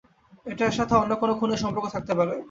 এটার সাথে অন্য কোন খুনের সম্পর্ক থাকতে পারে।